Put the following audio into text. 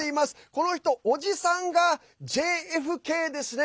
この人、おじさんがＪＦＫですね。